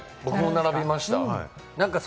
僕も並びました。